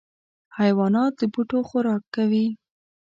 حیوانات د بوټو خوراک کوي.